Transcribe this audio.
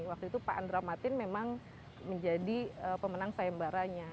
waktu itu pak andra masyid memang menjadi pemenang saembaranya